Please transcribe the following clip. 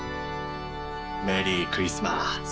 メリークリスマス。